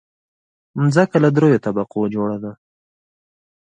مځکه له دریو طبقو جوړه ده.